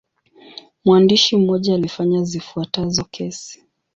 Mwandishi mmoja alifanya zifuatazo kesi.